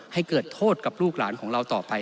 ให้เกิดโทษกับลูกหลานของเราต่อไป